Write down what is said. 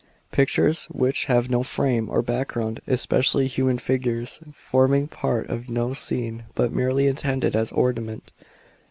(5) Pictures which have no frame or background, especially human figures, forming part of no scene, but merely intended as ornament.